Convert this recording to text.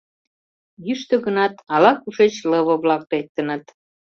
Йӱштӧ гынат, ала-кушеч лыве-влак лектыныт.